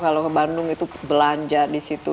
kalau bandung itu belanja disitu